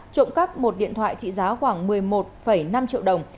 trộm cắp một điện thoại trị giá khoảng một mươi một năm triệu đồng